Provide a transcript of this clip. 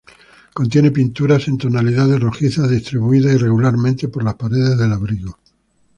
Contiene pinturas en tonalidades rojizas distribuidas irregularmente por las paredes del abrigo.